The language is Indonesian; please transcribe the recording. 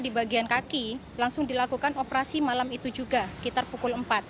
di bagian kaki langsung dilakukan operasi malam itu juga sekitar pukul empat